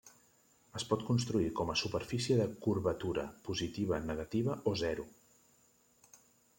Es pot construir com a superfície de curvatura positiva, negativa o zero.